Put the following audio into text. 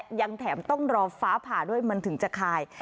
ยังแถมต้องรอฟ้าผ่าด้วยมันถึงจะคาย